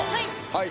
はい。